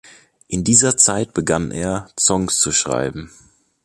In dieser Zeit begann er, Songs zu schreiben.